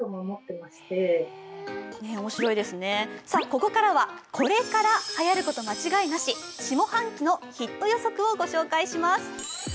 ここからはこれからはやること間違いなし下半期のヒット予測を御紹介します。